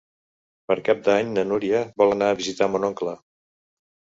Per Cap d'Any na Núria vol anar a visitar mon oncle.